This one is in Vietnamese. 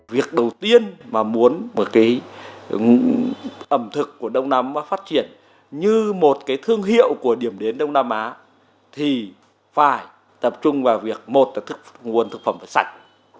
việc đầu tiên mà muốn một cái ẩm thực của đông nam phát triển như một cái thương hiệu của điểm đến đông nam á thì phải tập trung vào việc một là nguồn thực phẩm và sạch